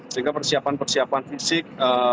sehingga persiapan persiapan fisik